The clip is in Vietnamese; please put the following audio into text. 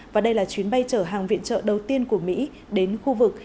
và đây là chuyến bay chở hàng viện trợ đầu tiên của mỹ đến khu vực